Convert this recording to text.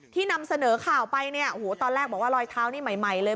นำเสนอข่าวไปเนี่ยโอ้โหตอนแรกบอกว่ารอยเท้านี่ใหม่เลย